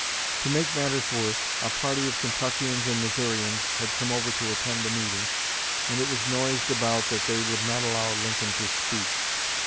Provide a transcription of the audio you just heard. To make matters worse, a party of Kentuckians and Missourians had come over to attend the meeting, and it was noised about that they would not allow Lincoln to speak.